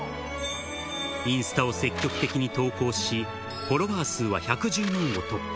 インスタを積極的に投稿し、フォロワー数は１１０万を突破。